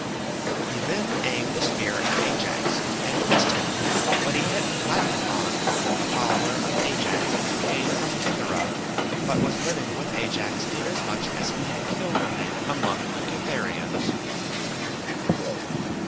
He then aimed a spear at Ajax, and missed him, but he hit Lycophron a follower of Ajax, who came from Cythera, but was living with Ajax inasmuch as he had killed a man among the Cythereans.